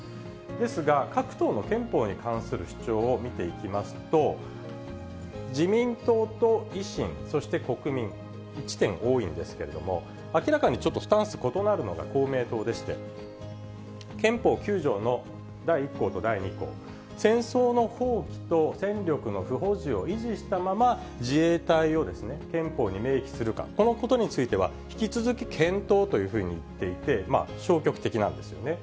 ですが、各党の憲法に関する主張を見ていきますと、自民党と維新、そして国民、一致点多いんですけれども、明らかにちょっとスタンス異なるのが公明党でして、憲法９条の第１項と第２項、戦争の放棄と戦力の不保持を維持したまま、自衛隊を憲法に明記するか、このことについては、引き続き検討というふうに言っていて、消極的なんですよね。